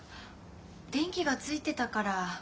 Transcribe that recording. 電気がついてたから。